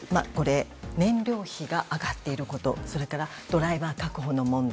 燃料費が上がっていることそれからドライバー確保の問題。